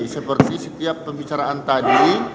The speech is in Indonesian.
seperti setiap pembicaraan tadi